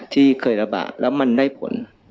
ที่เคยระบาดแล้วมันได้ผล